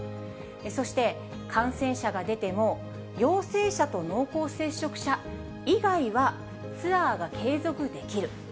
そして感染者が出ても、陽性者と濃厚接触者以外は、ツアーが継続できる。